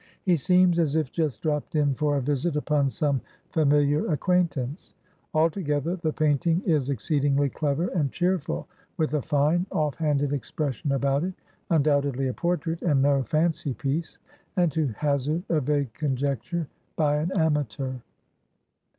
He seems as if just dropped in for a visit upon some familiar acquaintance. Altogether, the painting is exceedingly clever and cheerful; with a fine, off handed expression about it. Undoubtedly a portrait, and no fancy piece; and, to hazard a vague conjecture, by an amateur."